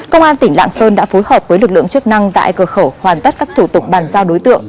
công an tỉnh lạng sơn đã phối hợp với lực lượng chức năng tại cửa khẩu hoàn tất các thủ tục bàn giao đối tượng